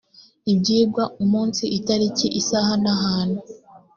ibyigwa umunsi itariki isaha n ahantu